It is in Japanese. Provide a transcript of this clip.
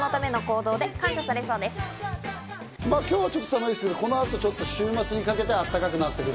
今日ちょっと寒いですけど、この後、週末にかけてあったかくなってくる。